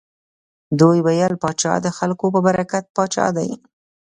دوی ویل پاچا د خلکو په برکت پاچا دی.